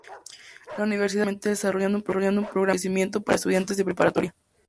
La Universidad esta actualmente desarrollando un programa de enriquecimiento para estudiantes de preparatoria.